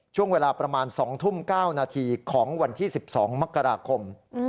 ช่วงเวลาประมาณ๒ทุ่ม๙นาทีของวันที่๑๒มกราคม